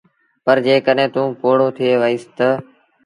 پر جڏهيݩٚ توٚنٚ پوڙهو ٿئي وهيٚس تا